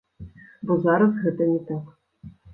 Бо зараз гэта не так.